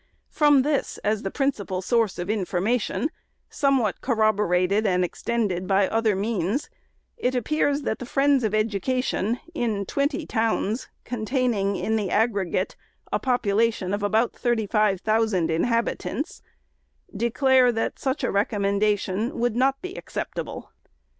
From this, as the principal source of infor mation, somewhat corroborated and extended by other means, it appears that the friends of Education, in twenty towns, containing, in the aggregate, a population of about thirty five thousand inhabitants, declare that such a recom mendation would not be acceptable.